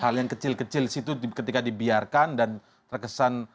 hal yang kecil kecil disitu ketika dibiarkan dan terkesan